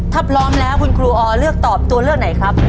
ถ้าพร้อมแล้วคุณครูออเลือกตอบตัวเลือกไหนครับ